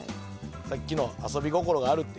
さっきの遊び心があるって言ってたの。